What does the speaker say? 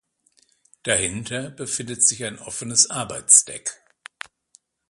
Dahinter befindet sich ein offenes Arbeitsdeck.